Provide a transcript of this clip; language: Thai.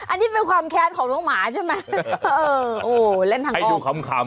อันนี้เป็นความแค้นของลูกหมาใช่มั้ย